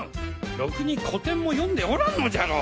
ろくに古典も読んでおらんのじゃろ！！